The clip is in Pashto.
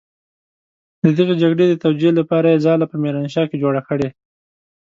د دغې جګړې د توجيې لپاره يې ځاله په ميرانشاه کې جوړه کړې.